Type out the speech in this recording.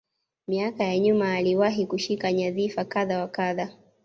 Miaka ya nyuma alishawahi kushika nyandhifa kadha wa kadha